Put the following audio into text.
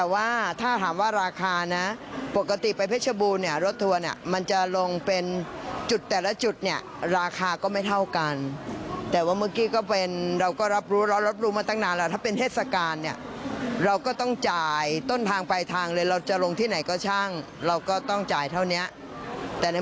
ว่าเราพอใจไหมเราก็พอใจ